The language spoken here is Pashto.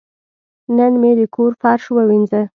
نن مې د کور فرش ووینځه.